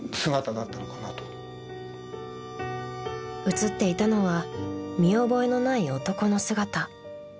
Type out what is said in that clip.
［映っていたのは見覚えのない男の姿］